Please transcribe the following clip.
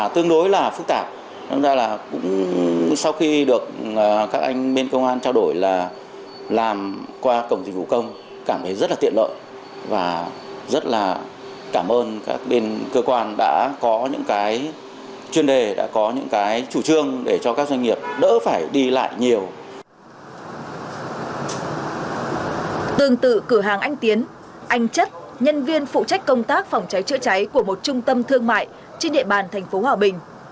tương tự cửa hàng anh tiến anh chất nhân viên phụ trách công tác phòng cháy chữa cháy của một trung tâm thương mại trên địa bàn thành phố hòa bình